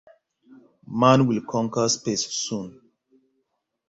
Man Will Conquer Space Soon!